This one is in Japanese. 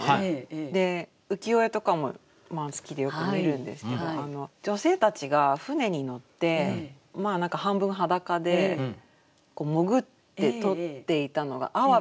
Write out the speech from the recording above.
で浮世絵とかも好きでよく見るんですけど女性たちが舟に乗って何か半分裸で潜って取っていたのがあわびだったような気がするんですよ。